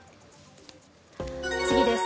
次です。